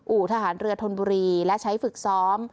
ทหารเรือธนบุรีและใช้ฝึกซ้อม